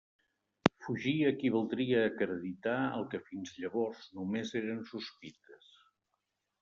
Fugir equivaldria a acreditar el que fins llavors només eren sospites.